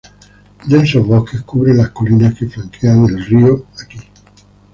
Densos bosques cubren las colinas que flanquean el río aquí.